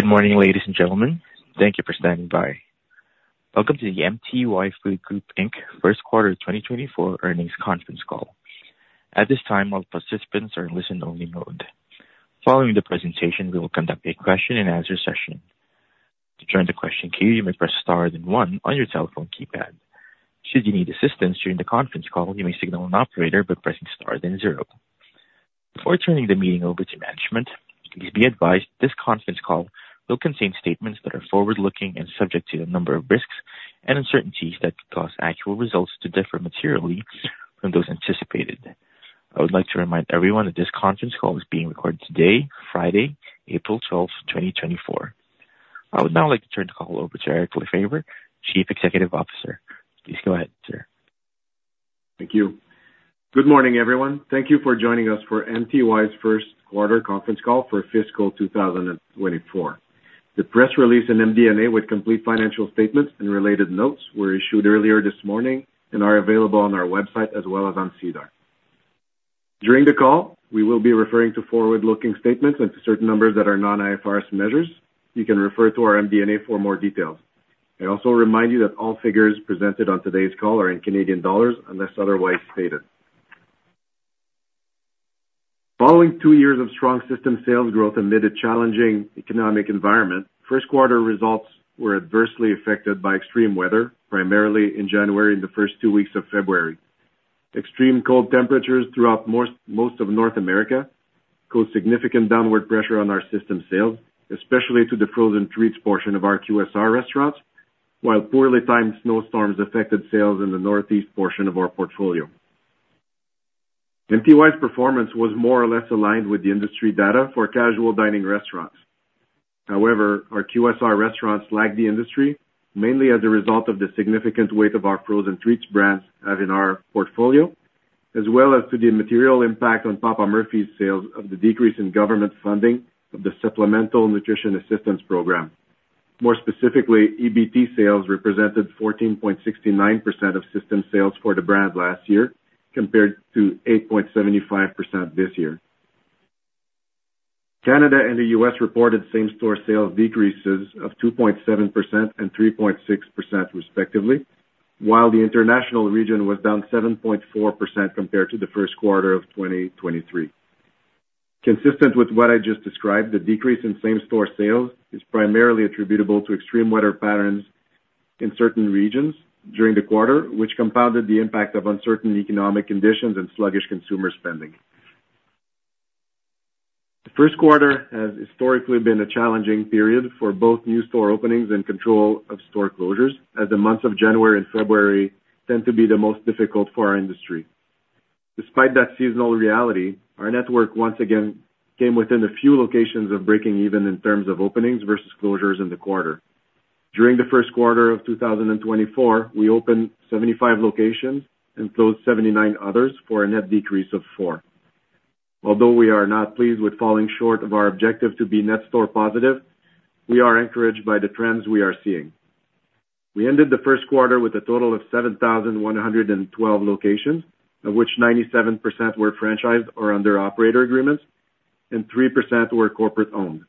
Good morning, ladies and gentlemen. Thank you for standing by. Welcome to the MTY Food Group Inc. first quarter 2024 earnings conference call. At this time, all participants are in listen-only mode. Following the presentation, we will conduct a question-and-answer session. To join the question queue, you may press *1 on your telephone keypad. Should you need assistance during the conference call, you may signal an operator by pressing *0. Before turning the meeting over to management, please be advised this conference call will contain statements that are forward-looking and subject to a number of risks and uncertainties that could cause actual results to differ materially from those anticipated. I would like to remind everyone that this conference call is being recorded today, Friday, April 12, 2024. I would now like to turn the call over to Eric Lefebvre, Chief Executive Officer. Please go ahead, sir. Thank you. Good morning, everyone. Thank you for joining us for MTY's first quarter conference call for fiscal 2024. The press release and MD&A with complete financial statements and related notes were issued earlier this morning and are available on our website as well as on SEDAR. During the call, we will be referring to forward-looking statements and to certain numbers that are non-IFRS measures. You can refer to our MD&A for more details. I also remind you that all figures presented on today's call are in Canadian dollars unless otherwise stated. Following two years of strong system sales growth amid a challenging economic environment, first quarter results were adversely affected by extreme weather, primarily in January and the first two weeks of February. Extreme cold temperatures throughout most of North America caused significant downward pressure on our system sales, especially to the frozen treats portion of our QSR restaurants, while poorly timed snowstorms affected sales in the northeast portion of our portfolio. MTY's performance was more or less aligned with the industry data for casual dining restaurants. However, our QSR restaurants lagged the industry, mainly as a result of the significant weight of our frozen treats brands in our portfolio, as well as to the material impact on Papa Murphy's sales of the decrease in government funding of the Supplemental Nutrition Assistance Program. More specifically, EBT sales represented 14.69% of system sales for the brand last year compared to 8.75% this year. Canada and the U.S. reported same-store sales decreases of 2.7% and 3.6%, respectively, while the international region was down 7.4% compared to the first quarter of 2023. Consistent with what I just described, the decrease in same-store sales is primarily attributable to extreme weather patterns in certain regions during the quarter, which compounded the impact of uncertain economic conditions and sluggish consumer spending. The first quarter has historically been a challenging period for both new store openings and control of store closures, as the months of January and February tend to be the most difficult for our industry. Despite that seasonal reality, our network once again came within a few locations of breaking even in terms of openings versus closures in the quarter. During the first quarter of 2024, we opened 75 locations and closed 79 others for a net decrease of four. Although we are not pleased with falling short of our objective to be net store positive, we are encouraged by the trends we are seeing. We ended the first quarter with a total of 7,112 locations, of which 97% were franchised or under operator agreements, and 3% were corporate-owned.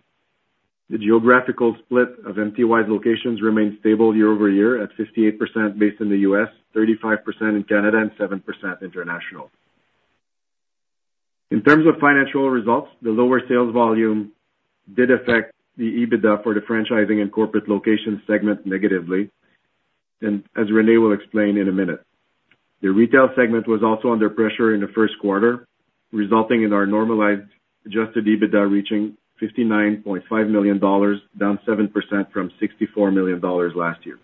The geographical split of MTY's locations remained stable year-over-year at 58% based in the U.S., 35% in Canada, and 7% international. In terms of financial results, the lower sales volume did affect the EBITDA for the franchising and corporate locations segment negatively, as Renée will explain in a minute. The retail segment was also under pressure in the first quarter, resulting in our normalized adjusted EBITDA reaching 59.5 million dollars, down 7% from 64 million dollars last year.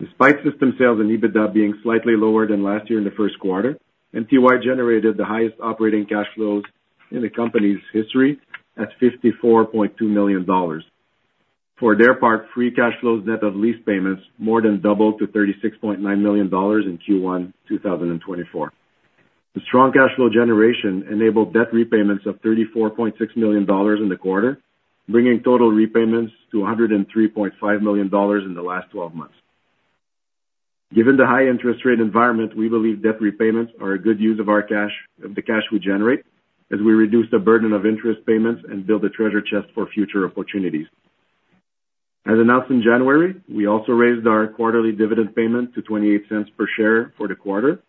Despite system sales and EBITDA being slightly lower than last year in the first quarter, MTY generated the highest operating cash flows in the company's history at 54.2 million dollars. For their part, free cash flows net of lease payments more than doubled to 36.9 million dollars in Q1 2024. The strong cash flow generation enabled debt repayments of 34.6 million dollars in the quarter, bringing total repayments to 103.5 million dollars in the last 12 months. Given the high interest rate environment, we believe debt repayments are a good use of the cash we generate, as we reduce the burden of interest payments and build a treasure chest for future opportunities. As announced in January, we also raised our quarterly dividend payment to 0.28 per share for the quarter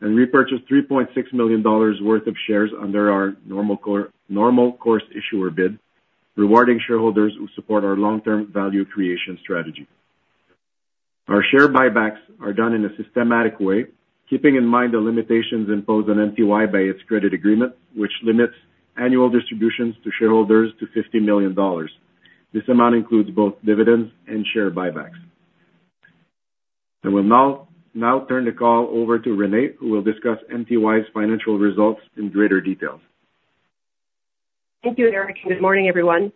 and repurchased 3.6 million dollars worth of shares under our normal course issuer bid, rewarding shareholders who support our long-term value creation strategy. Our share buybacks are done in a systematic way, keeping in mind the limitations imposed on MTY by its credit agreement, which limits annual distributions to shareholders to 50 million dollars. This amount includes both dividends and share buybacks. I will now turn the call over to Renée, who will discuss MTY's financial results in greater details. Thank you, Eric. Good morning, everyone.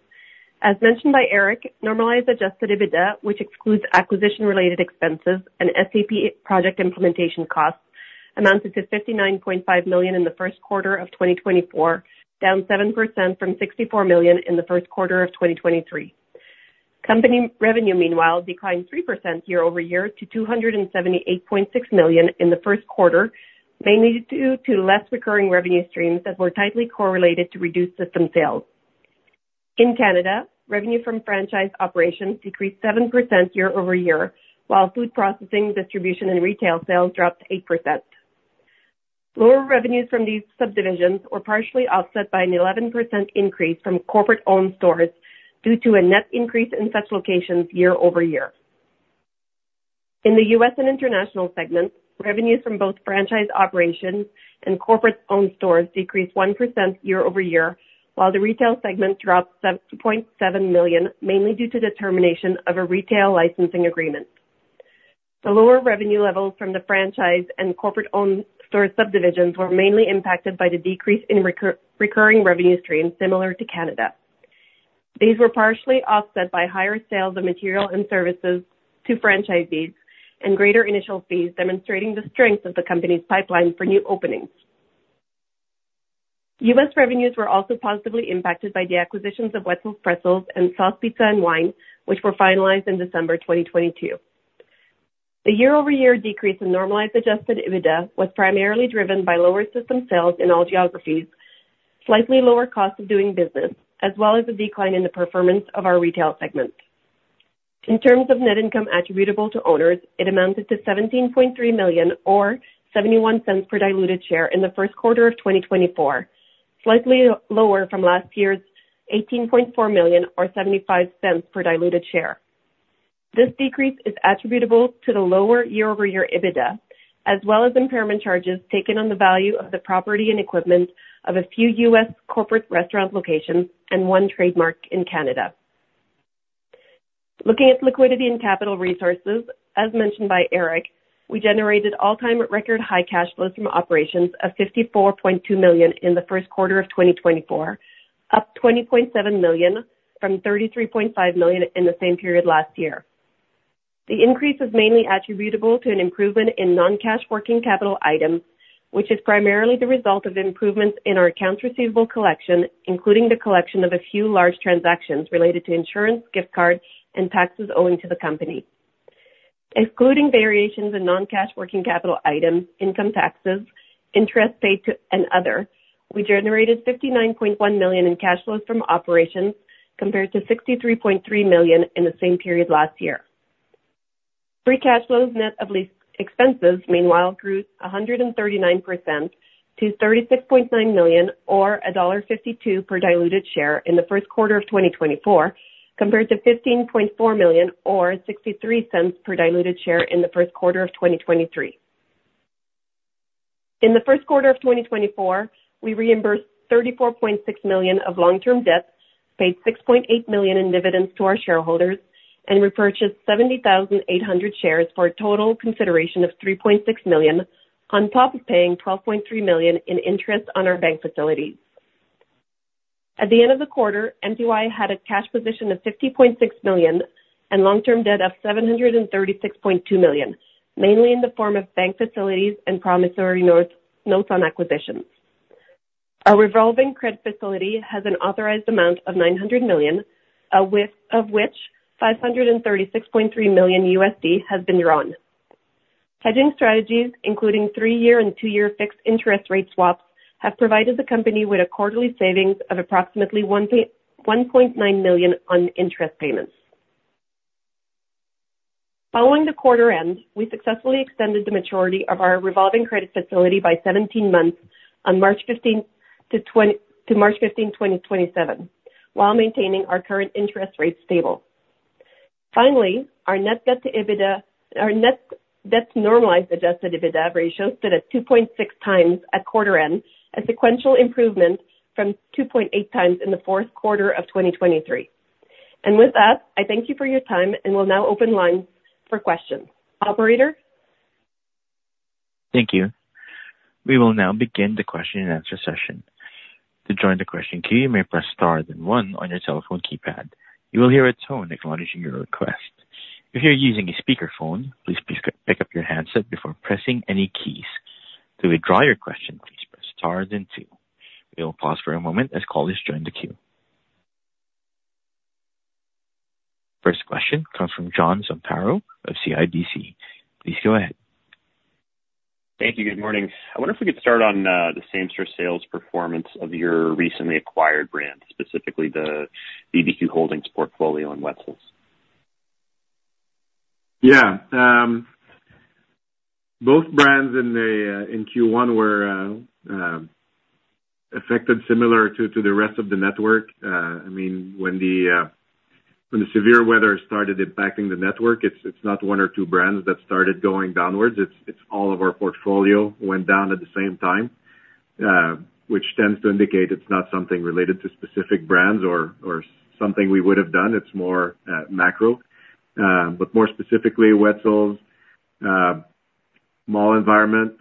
As mentioned by Eric, normalized adjusted EBITDA, which excludes acquisition-related expenses and SAP project implementation costs, amounted to 59.5 million in the first quarter of 2024, down 7% from 64 million in the first quarter of 2023. Company revenue, meanwhile, declined 3% year-over-year to 278.6 million in the first quarter, mainly due to less recurring revenue streams that were tightly correlated to reduced system sales. In Canada, revenue from franchise operations decreased 7% year-over-year, while food processing, distribution, and retail sales dropped 8%. Lower revenues from these subdivisions were partially offset by an 11% increase from corporate-owned stores due to a net increase in such locations year-over-year. In the U.S. and international segment, revenues from both franchise operations and corporate-owned stores decreased 1% year-over-year, while the retail segment dropped $7.7 million, mainly due to termination of a retail licensing agreement. The lower revenue levels from the franchise and corporate-owned store subdivisions were mainly impacted by the decrease in recurring revenue streams, similar to Canada. These were partially offset by higher sales of material and services to franchisees and greater initial fees, demonstrating the strength of the company's pipeline for new openings. U.S. revenues were also positively impacted by the acquisitions of Wetzel's Pretzels and Sauce Pizza & Wine, which were finalized in December 2022. The year-over-year decrease in normalized adjusted EBITDA was primarily driven by lower system sales in all geographies, slightly lower cost of doing business, as well as a decline in the performance of our retail segment. In terms of net income attributable to owners, it amounted to 17.3 million or 0.71 per diluted share in the first quarter of 2024, slightly lower from last year's 18.4 million or 0.75 per diluted share. This decrease is attributable to the lower year-over-year EBITDA, as well as impairment charges taken on the value of the property and equipment of a few U.S. corporate restaurant locations and one trademark in Canada. Looking at liquidity and capital resources, as mentioned by Eric, we generated all-time record high cash flows from operations of 54.2 million in the first quarter of 2024, up 20.7 million from 33.5 million in the same period last year. The increase is mainly attributable to an improvement in non-cash working capital items, which is primarily the result of improvements in our accounts receivable collection, including the collection of a few large transactions related to insurance, gift card, and taxes owing to the company. Excluding variations in non-cash working capital items, income taxes, interest paid, and other, we generated 59.1 million in cash flows from operations compared to 63.3 million in the same period last year. Free cash flows net of lease expenses, meanwhile, grew 139% to 36.9 million or dollar 1.52 per diluted share in the first quarter of 2024, compared to 15.4 million or 0.63 per diluted share in the first quarter of 2023. In the first quarter of 2024, we reimbursed 34.6 million of long-term debt, paid 6.8 million in dividends to our shareholders, and repurchased 70,800 shares for a total consideration of 3.6 million, on top of paying 12.3 million in interest on our bank facilities. At the end of the quarter, MTY had a cash position of 50.6 million and long-term debt of 736.2 million, mainly in the form of bank facilities and promissory notes on acquisitions. Our revolving credit facility has an authorized amount of 900 million, of which $536.3 million has been drawn. Hedging strategies, including three-year and two-year fixed interest rate swaps, have provided the company with a quarterly savings of approximately 1.9 million on interest payments. Following the quarter end, we successfully extended the maturity of our revolving credit facility by 17 months on March 15, 2027, while maintaining our current interest rate stable. Finally, our net debt to normalized adjusted EBITDA rate shows that at 2.6x at quarter end, a sequential improvement from 2.8x in the fourth quarter of 2023. With that, I thank you for your time, and we'll now open lines for questions. Operator? Thank you. We will now begin the question-and-answer session. To join the question queue, you may press *1 on your telephone keypad. You will hear a tone acknowledging your request. If you're using a speakerphone, please pick up your handset before pressing any keys. To withdraw your question, please press *2. We will pause for a moment as callers join the queue. First question comes from John Zamparo of CIBC. Please go ahead. Thank you. Good morning. I wonder if we could start on the same-store sales performance of your recently acquired brand, specifically the BBQ Holdings portfolio in Wetzel's. Yeah. Both brands in Q1 were affected similar to the rest of the network. I mean, when the severe weather started impacting the network, it's not one or two brands that started going downwards. It's all of our portfolio went down at the same time, which tends to indicate it's not something related to specific brands or something we would have done. It's more macro. But more specifically, Wetzel's mall environment,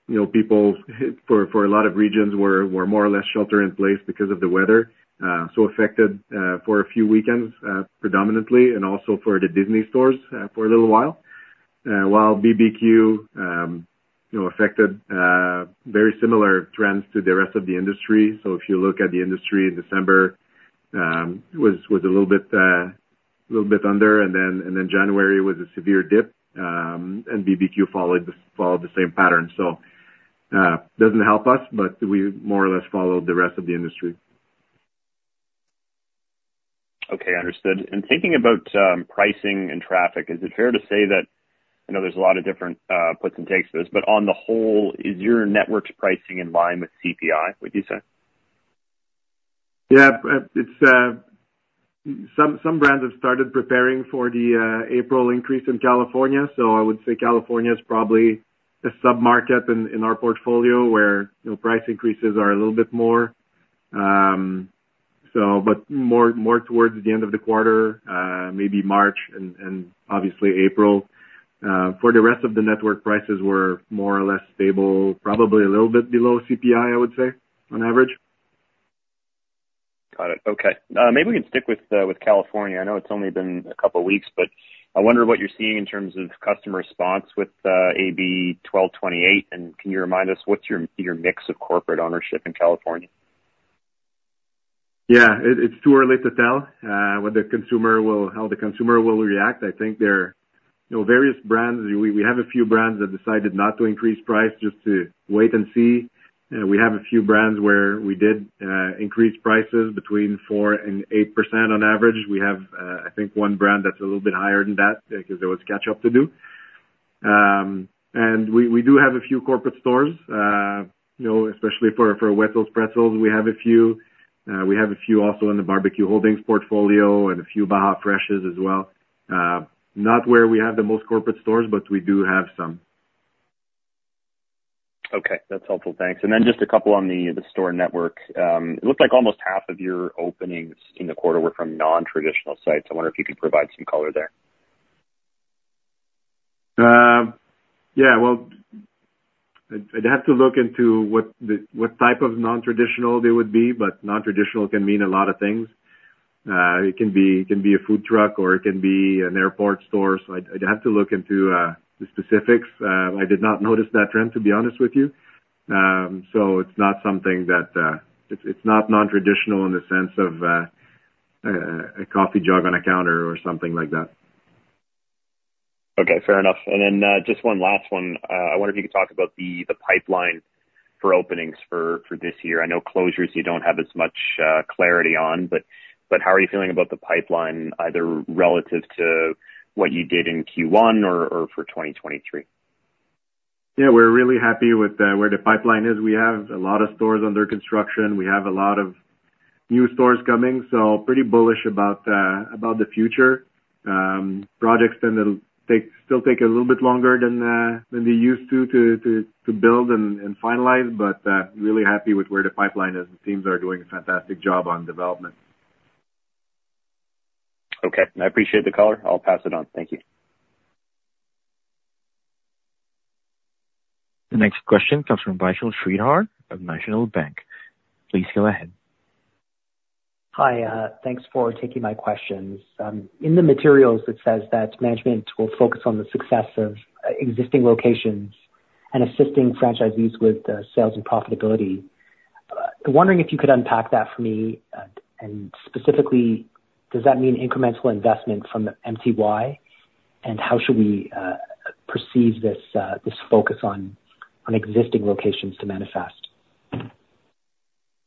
for a lot of regions, were more or less shelter-in-place because of the weather, so affected for a few weekends predominantly, and also for the Disney stores for a little while. While BBQ affected very similar trends to the rest of the industry. So if you look at the industry in December, it was a little bit under, and then January was a severe dip, and BBQ followed the same pattern. It doesn't help us, but we more or less followed the rest of the industry. Okay. Understood. And thinking about pricing and traffic, is it fair to say that I know there's a lot of different puts and takes to this, but on the whole, is your network's pricing in line with CPI, would you say? Yeah. Some brands have started preparing for the April increase in California, so I would say California is probably a submarket in our portfolio where price increases are a little bit more, but more towards the end of the quarter, maybe March, and obviously April. For the rest of the network, prices were more or less stable, probably a little bit below CPI, I would say, on average. Got it. Okay. Maybe we can stick with California. I know it's only been a couple of weeks, but I wonder what you're seeing in terms of customer response with AB 1228. And can you remind us what's your mix of corporate ownership in California? Yeah. It's too early to tell how the consumer will react. I think there are various brands. We have a few brands that decided not to increase price just to wait and see. We have a few brands where we did increase prices between 4% and 8% on average. We have, I think, one brand that's a little bit higher than that because there was catch-up to do. And we do have a few corporate stores, especially for Wetzel's Pretzels. We have a few. We have a few also in the BBQ Holdings portfolio and a few Baja Freshes as well. Not where we have the most corporate stores, but we do have some. Okay. That's helpful. Thanks. Just a couple on the store network. It looked like almost half of your openings in the quarter were from non-traditional sites. I wonder if you could provide some color there. Yeah. Well, I'd have to look into what type of non-traditional they would be, but non-traditional can mean a lot of things. It can be a food truck, or it can be an airport store. So I'd have to look into the specifics. I did not notice that trend, to be honest with you. So it's not something that it's not non-traditional in the sense of a coffee jug on a counter or something like that. Okay. Fair enough. And then just one last one. I wonder if you could talk about the pipeline for openings for this year. I know closures you don't have as much clarity on, but how are you feeling about the pipeline, either relative to what you did in Q1 or for 2023? Yeah. We're really happy with where the pipeline is. We have a lot of stores under construction. We have a lot of new stores coming, so pretty bullish about the future. Projects tend to still take a little bit longer than they used to to build and finalize, but really happy with where the pipeline is. The teams are doing a fantastic job on development. Okay. I appreciate the color. I'll pass it on. Thank you. The next question comes from Vishal Shreedhar of National Bank. Please go ahead. Hi. Thanks for taking my questions. In the materials, it says that management will focus on the success of existing locations and assisting franchisees with sales and profitability. I'm wondering if you could unpack that for me. And specifically, does that mean incremental investment from MTY, and how should we perceive this focus on existing locations to manifest?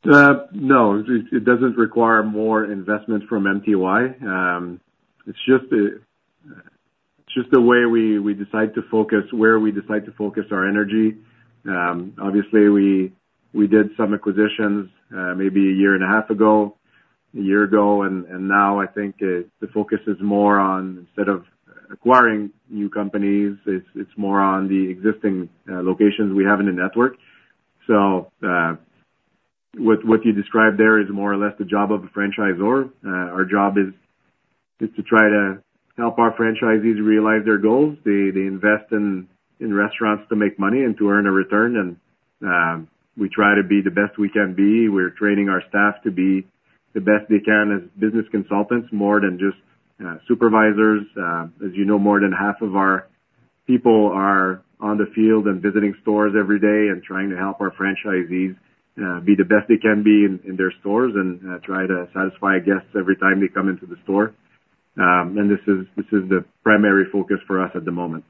No. It doesn't require more investment from MTY. It's just the way we decide to focus, where we decide to focus our energy. Obviously, we did some acquisitions maybe a year and a half ago, a year ago, and now I think the focus is more on instead of acquiring new companies, it's more on the existing locations we have in the network. So what you described there is more or less the job of a franchisor. Our job is to try to help our franchisees realize their goals. They invest in restaurants to make money and to earn a return, and we try to be the best we can be. We're training our staff to be the best they can as business consultants, more than just supervisors. As you know, more than half of our people are on the field and visiting stores every day and trying to help our franchisees be the best they can be in their stores and try to satisfy guests every time they come into the store. This is the primary focus for us at the moment.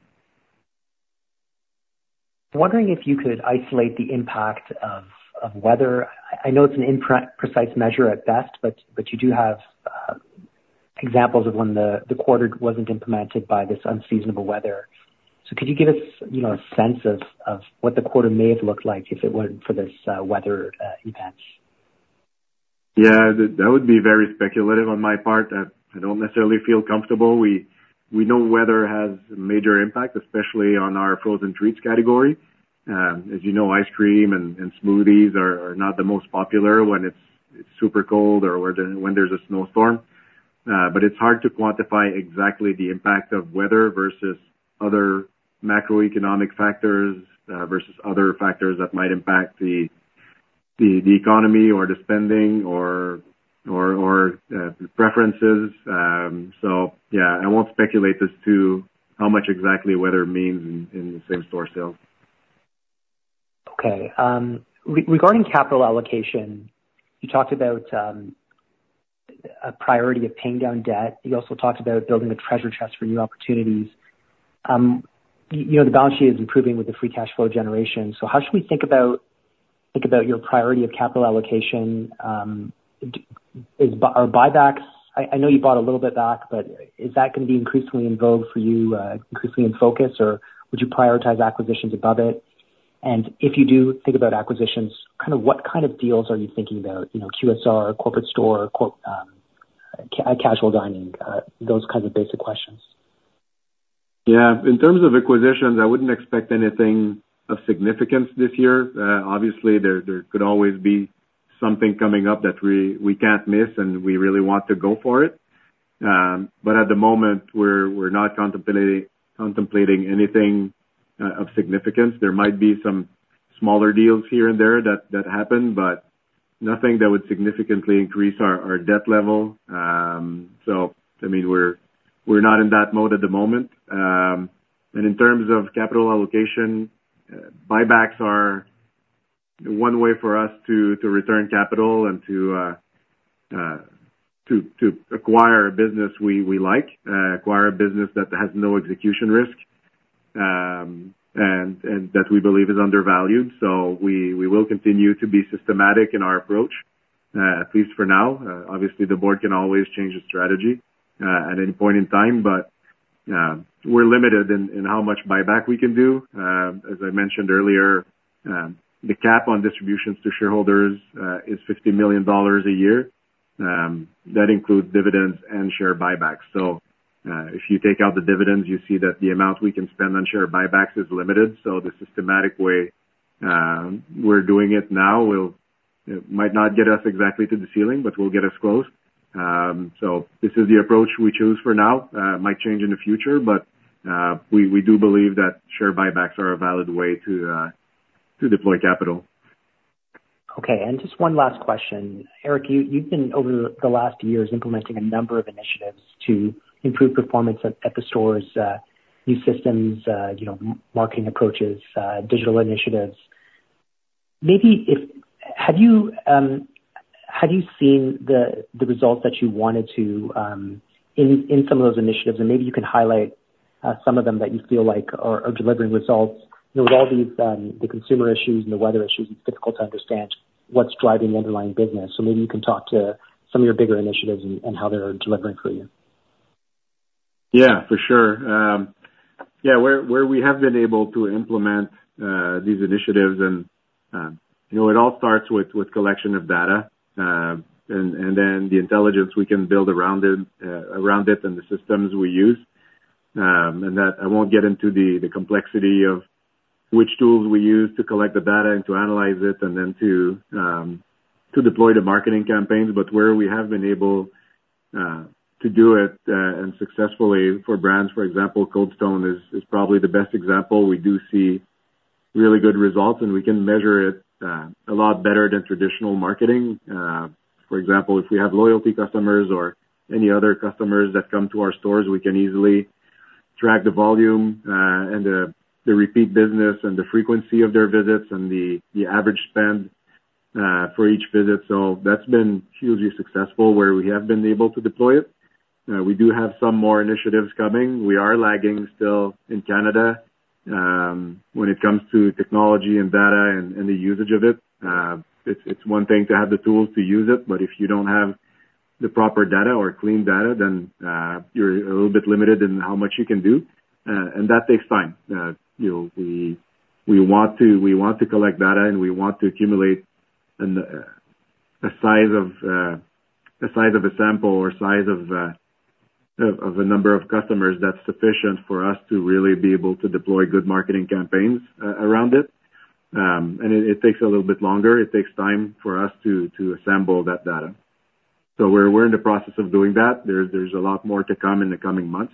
I'm wondering if you could isolate the impact of weather. I know it's an imprecise measure at best, but you do have examples of when the quarter wasn't impacted by this unseasonable weather. So could you give us a sense of what the quarter may have looked like if it weren't for this weather event? Yeah. That would be very speculative on my part. I don't necessarily feel comfortable. We know weather has a major impact, especially on our frozen treats category. As you know, ice cream and smoothies are not the most popular when it's super cold or when there's a snowstorm. But it's hard to quantify exactly the impact of weather versus other macroeconomic factors versus other factors that might impact the economy or the spending or preferences. So yeah, I won't speculate as to how much exactly weather means in the same-store sales. Okay. Regarding capital allocation, you talked about a priority of paying down debt. You also talked about building a treasure chest for new opportunities. The balance sheet is improving with the free cash flow generation. So how should we think about your priority of capital allocation? Are buybacks, I know you bought a little bit back, but is that going to be increasingly in vogue for you, increasingly in focus, or would you prioritize acquisitions above it? And if you do think about acquisitions, kind of what kind of deals are you thinking about? QSR, corporate store, casual dining, those kinds of basic questions. Yeah. In terms of acquisitions, I wouldn't expect anything of significance this year. Obviously, there could always be something coming up that we can't miss, and we really want to go for it. But at the moment, we're not contemplating anything of significance. There might be some smaller deals here and there that happen, but nothing that would significantly increase our debt level. So I mean, we're not in that mode at the moment. And in terms of capital allocation, buybacks are one way for us to return capital and to acquire a business we like, acquire a business that has no execution risk and that we believe is undervalued. So we will continue to be systematic in our approach, at least for now. Obviously, the board can always change the strategy at any point in time, but we're limited in how much buyback we can do. As I mentioned earlier, the cap on distributions to shareholders is 50 million dollars a year. That includes dividends and share buybacks. So if you take out the dividends, you see that the amount we can spend on share buybacks is limited. So the systematic way we're doing it now might not get us exactly to the ceiling, but we'll get us close. So this is the approach we choose for now. It might change in the future, but we do believe that share buybacks are a valid way to deploy capital. Okay. Just one last question. Eric, you've been over the last years implementing a number of initiatives to improve performance at the store's new systems, marketing approaches, digital initiatives. Have you seen the results that you wanted to in some of those initiatives? Maybe you can highlight some of them that you feel like are delivering results. With all the consumer issues and the weather issues, it's difficult to understand what's driving the underlying business. Maybe you can talk to some of your bigger initiatives and how they're delivering for you. Yeah. For sure. Yeah. Where we have been able to implement these initiatives and it all starts with collection of data and then the intelligence we can build around it and the systems we use. And I won't get into the complexity of which tools we use to collect the data and to analyze it and then to deploy the marketing campaigns. But where we have been able to do it successfully for brands, for example, Cold Stone is probably the best example. We do see really good results, and we can measure it a lot better than traditional marketing. For example, if we have loyalty customers or any other customers that come to our stores, we can easily track the volume and the repeat business and the frequency of their visits and the average spend for each visit. That's been hugely successful where we have been able to deploy it. We do have some more initiatives coming. We are lagging still in Canada when it comes to technology and data and the usage of it. It's one thing to have the tools to use it, but if you don't have the proper data or clean data, then you're a little bit limited in how much you can do. That takes time. We want to collect data, and we want to accumulate a size of a sample or size of a number of customers that's sufficient for us to really be able to deploy good marketing campaigns around it. It takes a little bit longer. It takes time for us to assemble that data. We're in the process of doing that. There's a lot more to come in the coming months,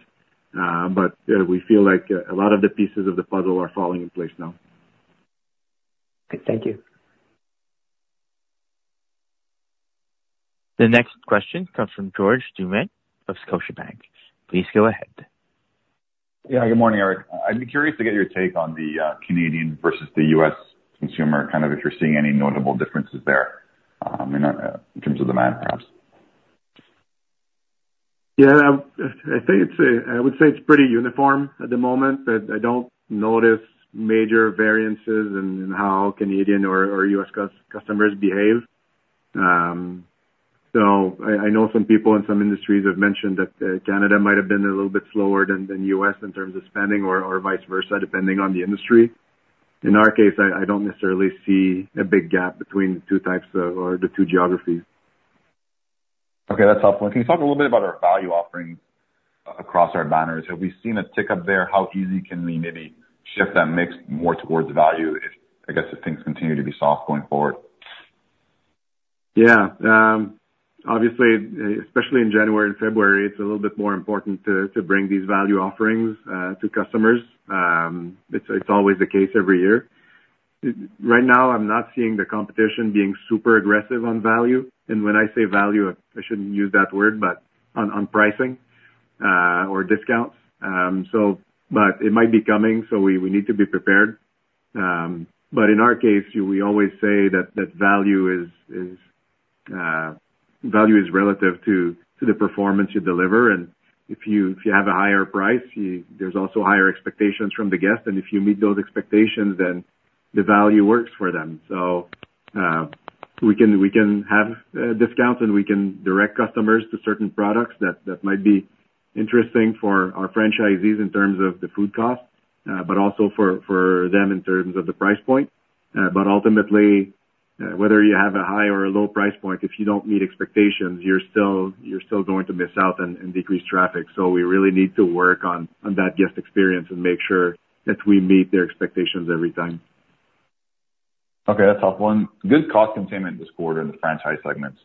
but we feel like a lot of the pieces of the puzzle are falling in place now. Great. Thank you. The next question comes from George Doumet of Scotiabank. Please go ahead. Yeah. Good morning, Eric. I'd be curious to get your take on the Canadian versus the U.S. consumer, kind of if you're seeing any notable differences there in terms of demand, perhaps. Yeah. I would say it's pretty uniform at the moment, but I don't notice major variances in how Canadian or U.S. customers behave. So I know some people in some industries have mentioned that Canada might have been a little bit slower than the U.S. in terms of spending or vice versa, depending on the industry. In our case, I don't necessarily see a big gap between the two geographies. Okay. That's helpful. And can you talk a little bit about our value offerings across our banners? Have we seen a tick up there? How easy can we maybe shift that mix more towards value, I guess, if things continue to be soft going forward? Yeah. Obviously, especially in January and February, it's a little bit more important to bring these value offerings to customers. It's always the case every year. Right now, I'm not seeing the competition being super aggressive on value. And when I say value, I shouldn't use that word, but on pricing or discounts. But it might be coming, so we need to be prepared. But in our case, we always say that value is relative to the performance you deliver. And if you have a higher price, there's also higher expectations from the guest. And if you meet those expectations, then the value works for them. So we can have discounts, and we can direct customers to certain products that might be interesting for our franchisees in terms of the food cost, but also for them in terms of the price point. But ultimately, whether you have a high or a low price point, if you don't meet expectations, you're still going to miss out and decrease traffic. So we really need to work on that guest experience and make sure that we meet their expectations every time. Okay. That's helpful. Good cost containment this quarter in the franchise segments.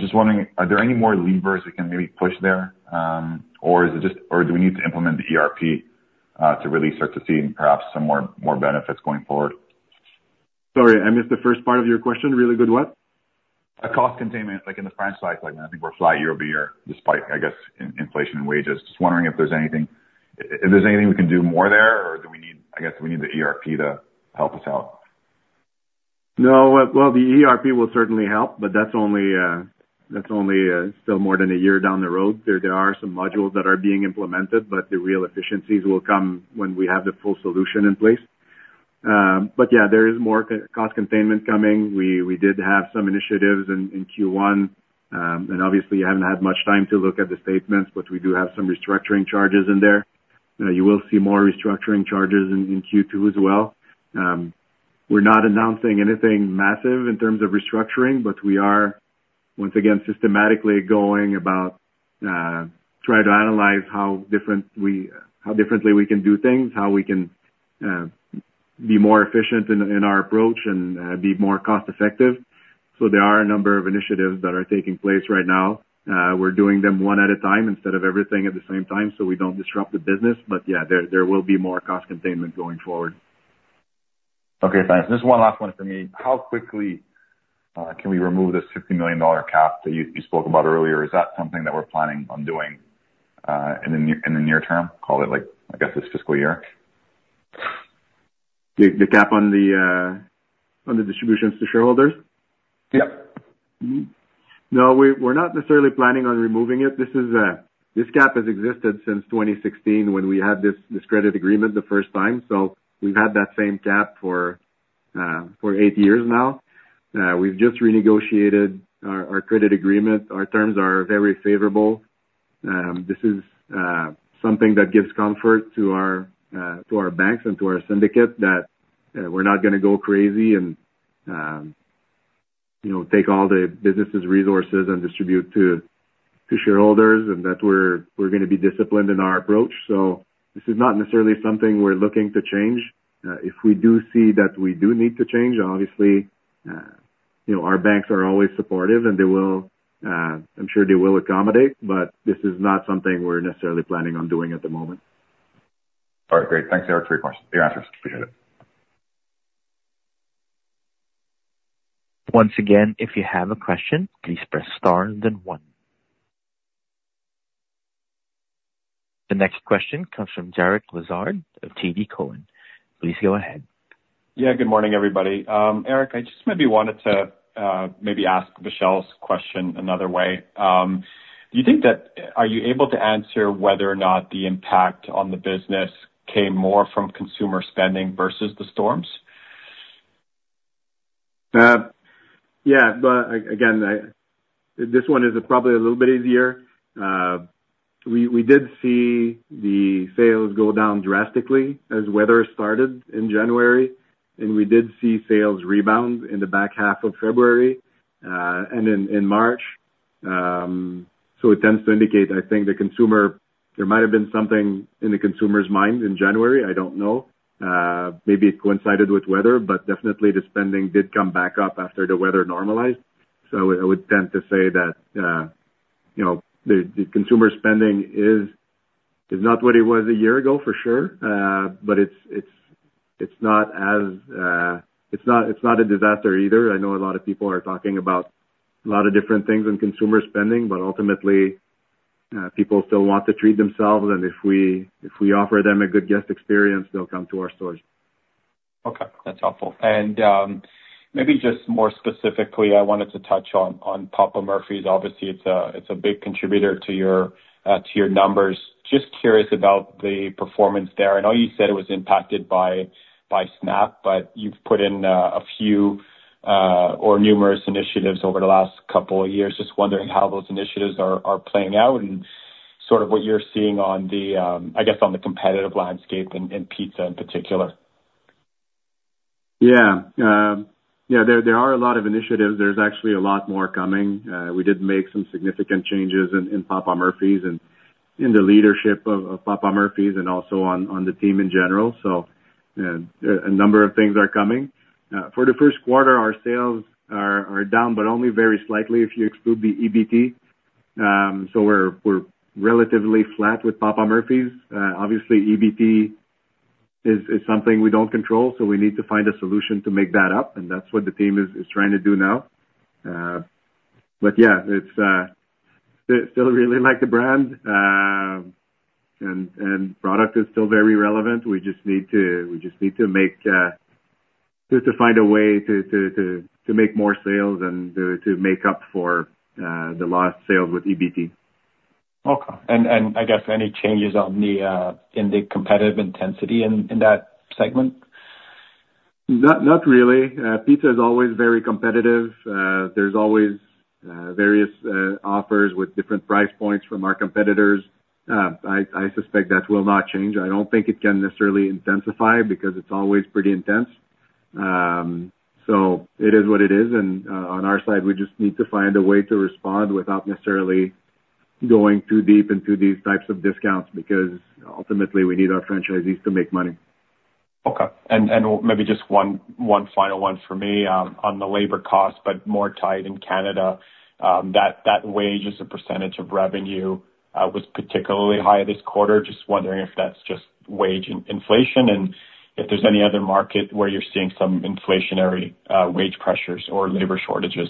Just wondering, are there any more levers we can maybe push there, or do we need to implement the ERP to really start to see perhaps some more benefits going forward? Sorry. I missed the first part of your question. Really good what? Cost containment in the franchise segment. I think we're flat year-over-year despite, I guess, inflation and wages. Just wondering if there's anything we can do more there, or do we need—I guess—the ERP to help us out? No. Well, the ERP will certainly help, but that's only still more than a year down the road. There are some modules that are being implemented, but the real efficiencies will come when we have the full solution in place. But yeah, there is more cost containment coming. We did have some initiatives in Q1. And obviously, you haven't had much time to look at the statements, but we do have some restructuring charges in there. You will see more restructuring charges in Q2 as well. We're not announcing anything massive in terms of restructuring, but we are, once again, systematically going about trying to analyze how differently we can do things, how we can be more efficient in our approach and be more cost-effective. So there are a number of initiatives that are taking place right now. We're doing them one at a time instead of everything at the same time so we don't disrupt the business. But yeah, there will be more cost containment going forward. Okay. Thanks. And just one last one for me. How quickly can we remove this 50 million dollar cap that you spoke about earlier? Is that something that we're planning on doing in the near term? Call it, I guess, this fiscal year. The cap on the distributions to shareholders? Yep. No, we're not necessarily planning on removing it. This cap has existed since 2016 when we had this credit agreement the first time. So we've had that same cap for eight years now. We've just renegotiated our credit agreement. Our terms are very favorable. This is something that gives comfort to our banks and to our syndicate that we're not going to go crazy and take all the business's resources and distribute to shareholders and that we're going to be disciplined in our approach. So this is not necessarily something we're looking to change. If we do see that we do need to change, obviously, our banks are always supportive, and I'm sure they will accommodate. But this is not something we're necessarily planning on doing at the moment. All right. Great. Thanks, Eric, for your answers. Appreciate it. Once again, if you have a question, please press star and then one. The next question comes from Derek Lessard of TD Cowen. Please go ahead. Yeah. Good morning, everybody. Eric, I just maybe wanted to maybe ask Vishal's question another way. Do you think that are you able to answer whether or not the impact on the business came more from consumer spending versus the storms? Yeah. But again, this one is probably a little bit easier. We did see the sales go down drastically as weather started in January, and we did see sales rebound in the back half of February and in March. So it tends to indicate, I think, there might have been something in the consumer's mind in January. I don't know. Maybe it coincided with weather, but definitely, the spending did come back up after the weather normalized. So I would tend to say that the consumer spending is not what it was a year ago, for sure, but it's not as it's not a disaster either. I know a lot of people are talking about a lot of different things in consumer spending, but ultimately, people still want to treat themselves. And if we offer them a good guest experience, they'll come to our stores. Okay. That's helpful. Maybe just more specifically, I wanted to touch on Papa Murphy's. Obviously, it's a big contributor to your numbers. Just curious about the performance there. I know you said it was impacted by SNAP, but you've put in a few or numerous initiatives over the last couple of years. Just wondering how those initiatives are playing out and sort of what you're seeing, I guess, on the competitive landscape in pizza in particular. Yeah. Yeah. There are a lot of initiatives. There's actually a lot more coming. We did make some significant changes in Papa Murphy's and in the leadership of Papa Murphy's and also on the team in general. So a number of things are coming. For the first quarter, our sales are down, but only very slightly if you exclude the EBT. So we're relatively flat with Papa Murphy's. Obviously, EBT is something we don't control, so we need to find a solution to make that up. And that's what the team is trying to do now. But yeah, still really like the brand, and product is still very relevant. We just need to, we just need to make just to find a way to make more sales and to make up for the lost sales with EBT. Okay. And I guess any changes in the competitive intensity in that segment? Not really. Pizza is always very competitive. There's always various offers with different price points from our competitors. I suspect that will not change. I don't think it can necessarily intensify because it's always pretty intense. So it is what it is. And on our side, we just need to find a way to respond without necessarily going too deep into these types of discounts because ultimately, we need our franchisees to make money. Okay. Maybe just one final one for me on the labor cost, but more tied in Canada. That wage, as a percentage of revenue, was particularly high this quarter. Just wondering if that's just wage inflation and if there's any other market where you're seeing some inflationary wage pressures or labor shortages.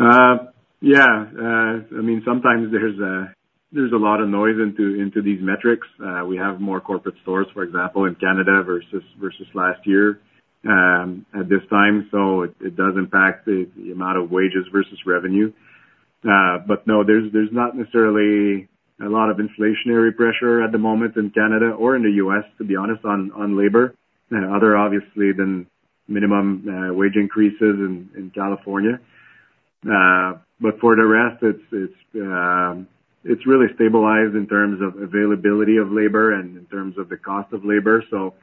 Yeah. I mean, sometimes there's a lot of noise into these metrics. We have more corporate stores, for example, in Canada versus last year at this time. So it does impact the amount of wages versus revenue. But no, there's not necessarily a lot of inflationary pressure at the moment in Canada or in the U.S., to be honest, on labor, obviously, than minimum wage increases in California. But for the rest, it's really stabilized in terms of availability of labor and in terms of the cost of labor. So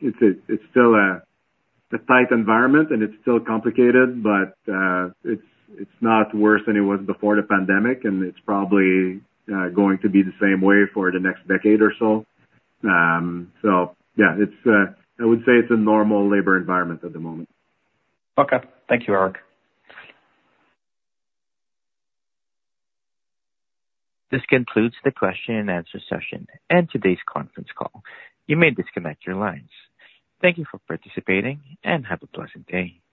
it's still a tight environment, and it's still complicated, but it's not worse than it was before the pandemic, and it's probably going to be the same way for the next decade or so. So yeah, I would say it's a normal labor environment at the moment. Okay. Thank you, Eric. This concludes the question-and-answer session and today's conference call. You may disconnect your lines. Thank you for participating, and have a pleasant day.